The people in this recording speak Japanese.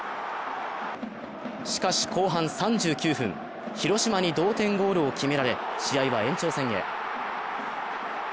しかし後半３９分、広島に同点ゴールを決められ試合は延長戦へ。